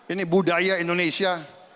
ini budaya indonesia